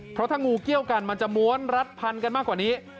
เพราะถ้างูเกี้ยวกันมันจะม้วนรัดพันกันมากกว่านี้